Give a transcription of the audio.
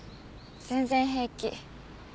全然平気。